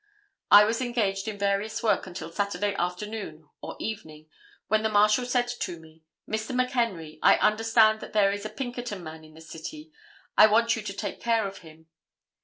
I was engaged in various work until Saturday afternoon or evening, when the Marshal said to me, 'Mr. McHenry, I understand that there is a Pinkerton man in the city. I want you to take care of him.